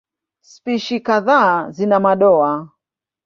Spishi kadhaa zina madoa.